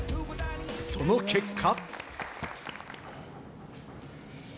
その結果。